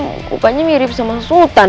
bukannya mirip sama sultan